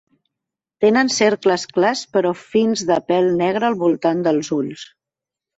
Tenen cercles clars però fins de pèl negre al voltant dels ulls.